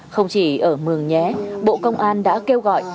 không chỉ ở mường nhé bộ công an đã kêu gọi